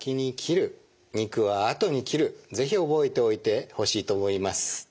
是非覚えておいてほしいと思います。